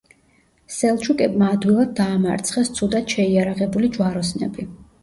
სელჩუკებმა ადვილად დაამარცხეს ცუდად შეიარაღებული ჯვაროსნები.